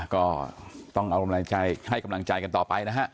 ก็ต้องให้กำลังใจกันต่อไปนะฮะ